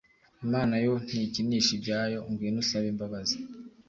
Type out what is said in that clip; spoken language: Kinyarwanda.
Imana yo ntikinisha ibyayo ngwino usabe imbabazi